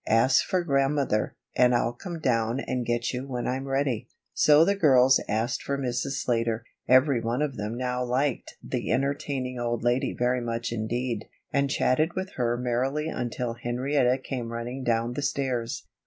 Ask for Grandmother, and I'll come down and get you when I'm ready." So the girls asked for Mrs. Slater every one of them now liked the entertaining old lady very much indeed and chatted with her merrily until Henrietta came running down the stairs.